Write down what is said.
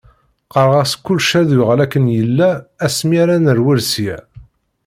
Qqareɣ-as kullec ad yuɣal akken yella asmi ara nerwel sya.